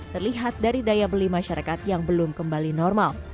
terlihat dari daya beli masyarakat yang belum kembali normal